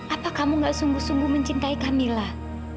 apa kamu nggak sungguh sungguh mencintai kamilah